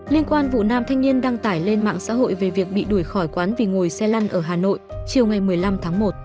liên quan vụ nam thanh niên đăng tải lên mạng xã hội về việc bị đuổi khỏi quán vì ngồi xe lăn ở hà nội chiều ngày một mươi năm tháng một